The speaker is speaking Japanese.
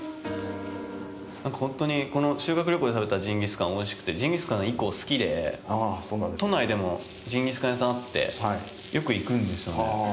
なんか本当に修学旅行で食べたジンギスカン、おいしくて、ジンギスカン、以降、好きで都内でもジンギスカン屋さんがあってよく行くんですよね。